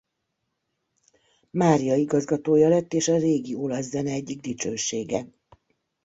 Mária igazgatója lett és a régi olasz zene egyik dicsősége.